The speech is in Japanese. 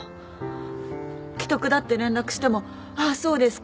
危篤だって連絡しても「ああそうですか」